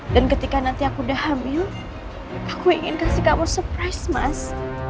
dan ketika nanti aku udah hamil aku ingin kasih kamu surprise mas